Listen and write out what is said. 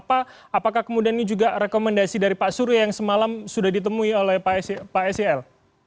apakah kemudian ini juga rekomendasi dari pak surya yang semalam sudah ditemui oleh pak sel